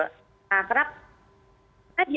karena di agenda